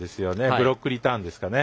ブロックリターンですかね